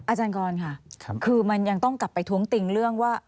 อาจารย์กรค่ะคือมันยังต้องกลับไปท้วงติงเรื่องว่า